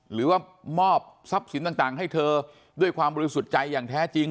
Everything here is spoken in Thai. หรือว่ามอบทรัพย์สินต่างให้เธอด้วยความบริสุทธิ์ใจอย่างแท้จริง